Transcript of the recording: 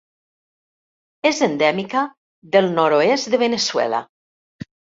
És endèmica del nord-oest de Veneçuela.